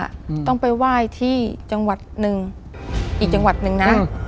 อืมต้องไปไหว้ที่จังหวัดหนึ่งอีกจังหวัดหนึ่งนะอืม